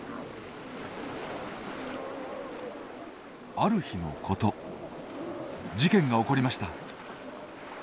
ある日のこと事件が起こりました。